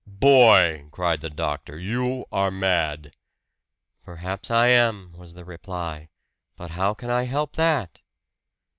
"Boy!" cried the doctor. "You are mad!" "Perhaps I am," was the reply. "But how can I help that?"